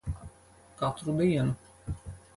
Katru dienu.